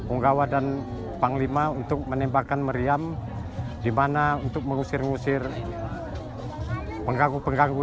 unggawa dan panglima untuk menembakkan meriam dimana untuk mengusir ngusir penggaku penggaku